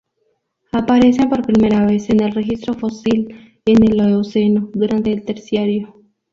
Aparecen por primera vez en el registro fósil en el Eoceno, durante el Terciario.